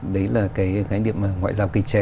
đấy là cái khái niệm ngoại giao kinh tre